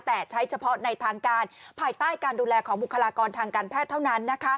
แต่ใช้เฉพาะในทางการภายใต้การดูแลของบุคลากรทางการแพทย์เท่านั้น